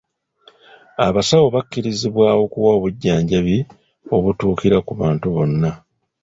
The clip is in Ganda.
Abasawo bakubirizibwa okuwa obujjanjabi obutuukira ku bantu bonna.